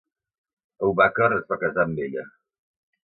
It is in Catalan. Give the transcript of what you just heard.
Abu Bakr es va casar amb ella.